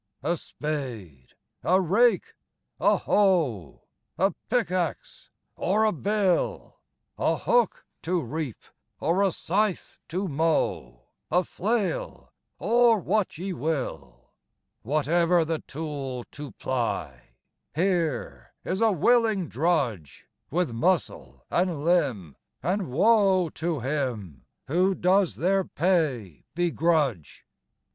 A spade! a rake! a hoe! A pickaxe, or a bill! A hook to reap, or a scythe to mow, A flail, or what ye will Whatever the tool to ply, Here is a willing drudge, With muscle and limb, and woe to him Who does their pay begrudge!